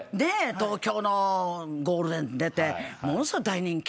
東京のゴールデンに出てものすごい大人気。